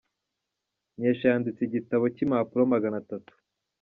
Nkesha yanditse igitabo cy'impapuro magana tatu.